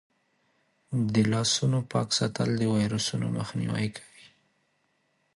د لاسونو پاک ساتل د ویروسونو مخنیوی کوي.